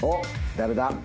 誰だ？